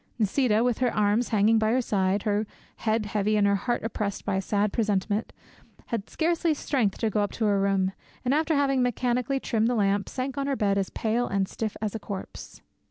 Nisida, with her arms hanging by her sides, her head heavy and her heart oppressed by a sad presentiment, had scarcely strength to go up to her room, and after having mechanically trimmed the lamp, sank on her bed as pale and stiff as a corpse.